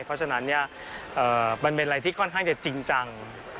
เพราะฉะนั้นมันเป็นอะไรที่ค่อนข้างจะจริงจัง